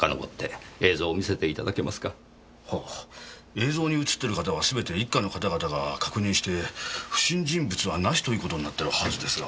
映像に映ってる方はすべて一課の方々が確認して「不審人物はなし」という事になってるはずですが。